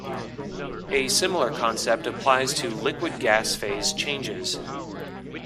A similar concept applies to liquid-gas phase changes.